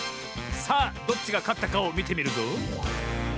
さあどっちがかったかをみてみるぞ。